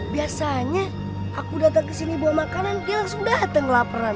biasanya aku datang kesini buat makanan dia langsung dateng laparan